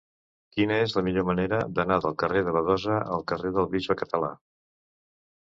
Quina és la millor manera d'anar del carrer de Badosa al carrer del Bisbe Català?